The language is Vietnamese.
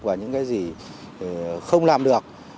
thì không làm được